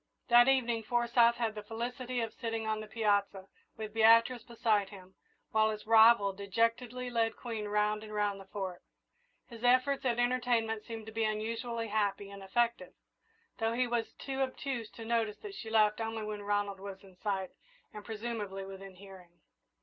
That evening Forsyth had the felicity of sitting on the piazza, with Beatrice beside him, while his rival dejectedly led Queen round and round the Fort. His efforts at entertainment seemed to be unusually happy and effective, though he was too obtuse to notice that she laughed only when Ronald was in sight and, presumably, within hearing.